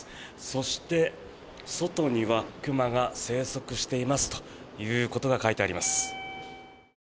そして、外には熊が生息していますということが書いてあります。